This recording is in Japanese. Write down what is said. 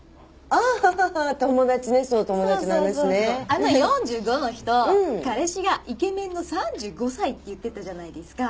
あの４５の人彼氏がイケメンの３５歳って言ってたじゃないですか。